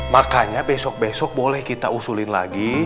makanya besok besok boleh kita usulin lagi